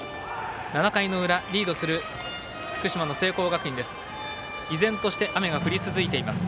７回の裏、リードする福島の聖光学院です。